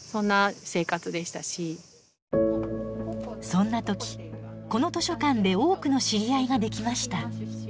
そんな時この図書館で多くの知り合いができました。